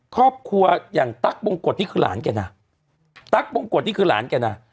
ครอบครัวอย่างตั๊กบงกฎนี่คือหลานแกนะตั๊กบงกฎนี่คือหลานแกนะ